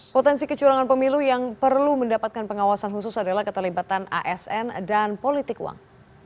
potensi kecurangan pemilu yang perlu mendapatkan pengawasan khusus adalah keterlibatan asn dan politik uang